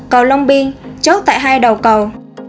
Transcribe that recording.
cầu long biên chốt tại hai đầu cầu